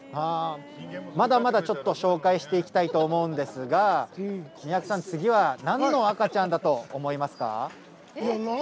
まだまだ紹介していきたいと思うんですが三宅さん、次はなんの赤ちゃんだと思いますか？